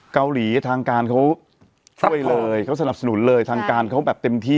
เกาหลีทางการเขาช่วยเลยเขาสนับสนุนเลยทางการเขาแบบเต็มที่